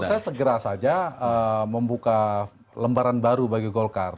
saya segera saja membuka lembaran baru bagi golkar